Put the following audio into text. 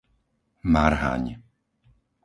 Marhaň